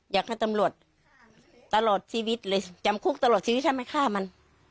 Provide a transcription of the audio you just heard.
อยากให้ตำรวจตลอดชีวิตเลยจำคุกตลอดชีวิตถ้าไม่ฆ่ามัน